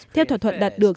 theo thỏa thuận đạt được